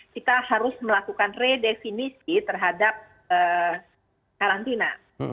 kita harus melakukan redefinisi terhadap karantina